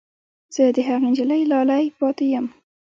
زه د هغې نجلۍ لالی پاتې یم